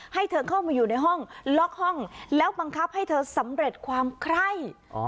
ให้เธอเข้ามาอยู่ในห้องล็อกห้องแล้วบังคับให้เธอสำเร็จความไคร่